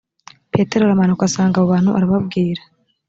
petero aramanuka asanga abo bantu arababwira